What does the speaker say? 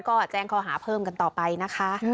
ก็แจ้งข้อหาเพิ่มกันต่อไปนะคะ